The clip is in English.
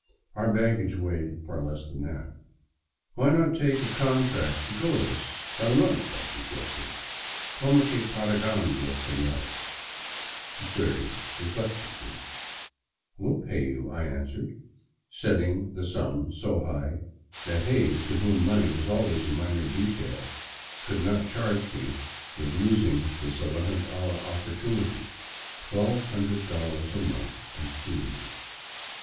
Our baggage weighed far less than that. Why not take a contract to go with us by the month ?" I sug gested. " Como que pagaran los sefiores ?" he queried reflectively. " We '11 pay you," I answered, setting the sum high so that Hays, to whom money was always a minor detail, could not charge me with losing this eleventh hour opportunity, $1200 a month, and food."